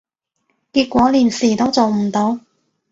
結果連事都做唔到